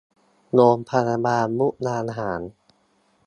โรงพยาบาลมุกดาหาร